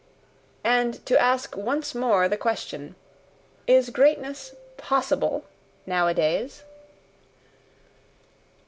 And to ask once more the question: Is greatness POSSIBLE nowadays?